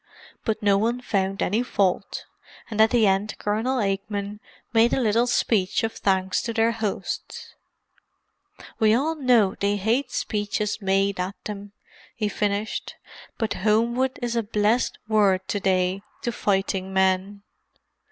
But no one found any fault, and at the end Colonel Aikman made a little speech of thanks to their hosts. "We all know they hate speeches made at them," he finished. "But Homewood is a blessed word to day to fighting men."